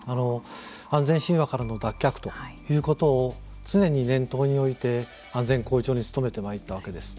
安全神話からの脱却ということを常に念頭に置いて安全向上に努めてまいったわけです。